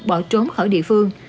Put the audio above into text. bỏ trốn khởi địa phương